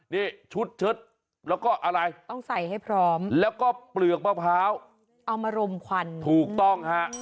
นี่ชุดเชิดแล้วก็อะไรต้องใส่ให้พร้อมแล้วก็เปลือกมะพร้าวเอามารมควันถูกต้องฮะ